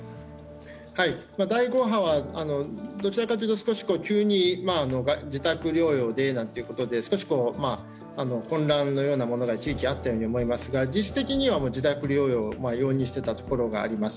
第５波はどちらかというと急に自宅療養でということで、少し混乱のようなものが一時期あったように思いますが自宅療養を容認していたところがあります。